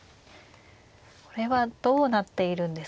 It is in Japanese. これはどうなっているんですか。